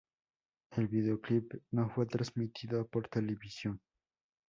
El video clip no fue transmitido por televisión.